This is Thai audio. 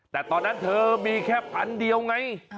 แต่ตอนนั้นเธอมีแค่พันเดียวไง